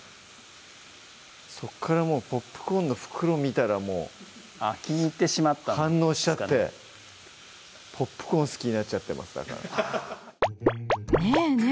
そっからもうポップコーンの袋見たらもうあっ気に入ってしまった反応しちゃってポップコーン好きになっちゃってますだからねぇねぇ